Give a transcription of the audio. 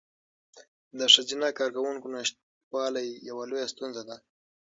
د ښځینه کارکوونکو نشتوالی یوه لویه ستونزه ده.